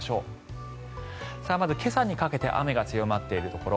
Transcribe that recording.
まず今朝にかけて雨が強まっているところ。